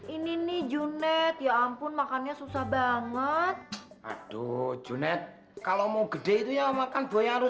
ini nih junet ya ampun makannya susah banget aduh junet kalau mau gede itu ya makan buaya harus